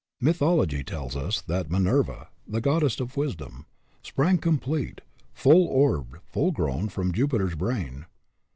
Mythology tells us that Minerva, the goddess of Wisdom, sprang complete, full orbed, full grown, from Jupiter's brain.